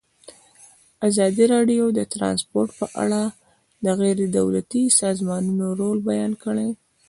ازادي راډیو د ترانسپورټ په اړه د غیر دولتي سازمانونو رول بیان کړی.